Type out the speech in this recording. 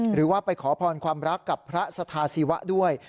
หรือว่าไปขอพรความรักกับพระสถาศิวะด้วย